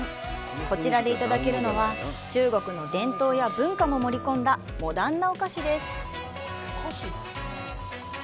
こちらでいただけるのは中国の伝統や文化も盛り込んだモダンなお菓子です。